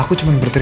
aduh aduh aduh